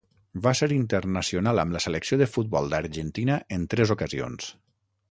Va ser internacional amb la Selecció de futbol d'Argentina en tres ocasions.